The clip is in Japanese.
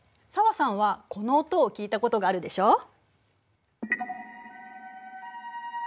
紗和さんはこの音を聞いたことがあるでしょ？